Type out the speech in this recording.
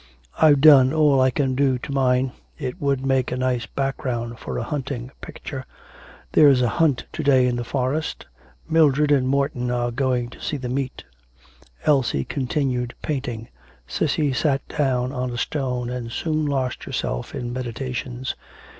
'I've done all I can do to mine. It would make a nice background for a hunting picture. There's a hunt to day in the forest. Mildred and Morton are going to see the meet.' Elsie continued painting, Cissy sat down on a stone and soon lost herself in meditations.